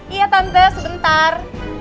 iya tante sebentar